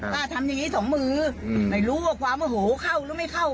ถ้าทำอย่างนี้สองมือไม่รู้ว่าความโอโหเข้าหรือไม่เข้า